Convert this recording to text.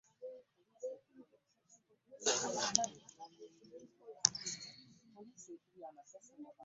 Mmuwadde ensimbi eziwera naye tamatira.